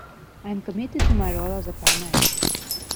I am committed to my role as a paramedic.